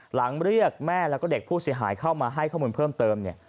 เรียกแม่แล้วก็เด็กผู้เสียหายเข้ามาให้ข้อมูลเพิ่มเติมเนี่ย